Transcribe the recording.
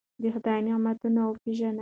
د خدای نعمتونه وپېژنئ.